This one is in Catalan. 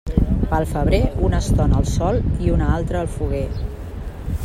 Pel febrer, una estona al sol i una altra al foguer.